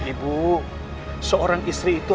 ibu seorang istri itu